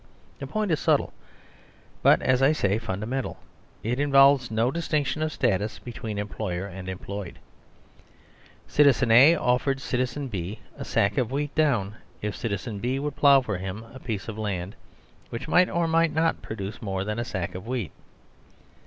The point is subtle, but, as I say, fundamental. It involved no distinction of status between employer and employed. Citizen A offered citizen B a sack of wheat down if citizen B would plough for him a piece of land which might or might not produce more than a sack of wheat.